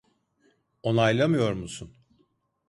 Onaylamıyor musun?